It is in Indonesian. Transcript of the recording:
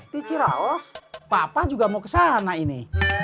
di ciraos papa juga mau kesana ini